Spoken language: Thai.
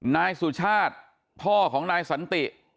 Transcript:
นายสุชาติพ่อของนายสันติ